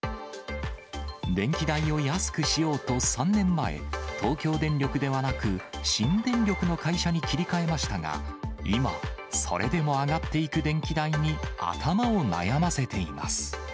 電気代を安くしようと３年前、東京電力ではなく、新電力の会社に切り替えましたが、今、それでも上がっていく電気代に頭を悩ませています。